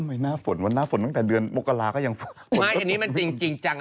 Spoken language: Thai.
เอาไปหน้าฝนวันหน้าฝนตั้งแต่เดือนโบกฮาราคตัวอย่างอเรนนี่มันจริงจริงจัง